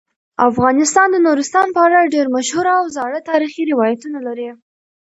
افغانستان د نورستان په اړه ډیر مشهور او زاړه تاریخی روایتونه لري.